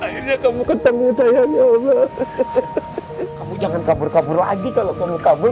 akhirnya kamu ketemu saya ya allah kamu jangan kabur kabur lagi kalau kamu kabur